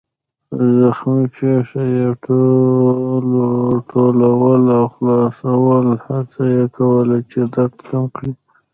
زخمي پښه يې ټولول او خلاصول، هڅه یې کوله چې درد کم کړي.